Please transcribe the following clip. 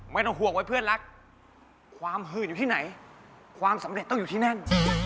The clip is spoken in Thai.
ไม่ต้องห่วงไว้เพื่อนรักความหืดอยู่ที่ไหนความสำเร็จต้องอยู่ที่นั่น